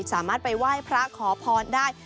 สามารถไปไหว้พระขอพรได้